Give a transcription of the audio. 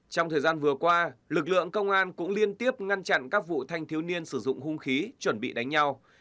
trong thời gian vừa qua lực lượng công an cũng liên tiếp ngăn chặn các vụ thanh thiếu niên sử dụng hung khí chuẩn bị đánh nhau